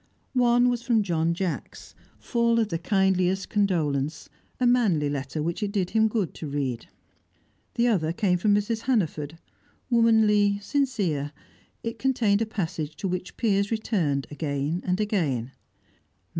One was from John Jacks, full of the kindliest condolence; a manly letter which it did him good to read. The other came from Mrs. Hannaford, womanly, sincere; it contained a passage to which Piers returned again and again.